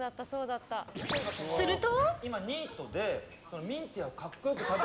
すると。